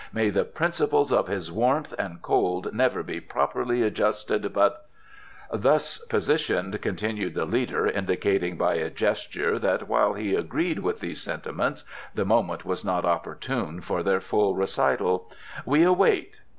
May the principles of his warmth and cold never be properly adjusted but " "Thus positioned," continued the leader, indicating by a gesture that while he agreed with these sentiments the moment was not opportune for their full recital, "we await.